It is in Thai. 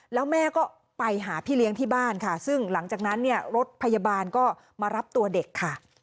แล้วแม่ก็ไปหาพี่เลี้ยงที่บ้านซึ่งรถพยาบาลมารับตัวเด็ก